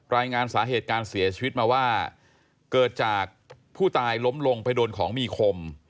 รายงานสาเหตุการเสียชีวิตมาว่าเกิดจากผู้ตายล้มลงไปโดนของมีคม